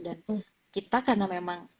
dan kita karena memang